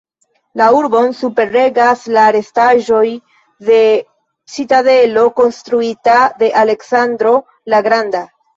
La urbon superregas la restaĵoj de citadelo konstruita de Aleksandro la Granda.